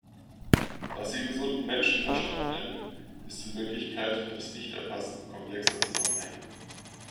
Was Sie gesunden Menschenverstand nennen, ist in Wirklichkeit das Nichterfassen komplexer Zusammenhänge.